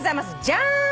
じゃん！